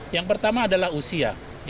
yang pertama adalah usia